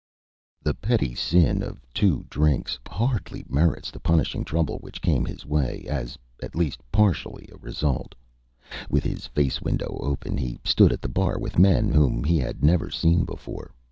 The petty sin of two drinks hardly merits the punishing trouble which came his way as, at least partially, a result. With his face window open, he stood at the bar with men whom he had never seen before.